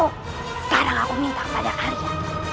sekarang aku minta pada arya